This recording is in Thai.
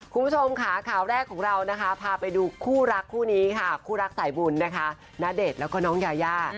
คุณผู้ชมขาขาวแรกของเราพาไปดูคู่รักคู่นี้คู่รักสายบุญณเดชน์แล้วน้องยายา